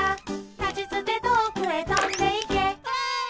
「たちつてとおくへとんでいけ」わい！